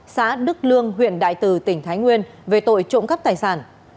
xã đức lương huyện đại từ tỉnh thái nguyên về tội trộm cắp tài sản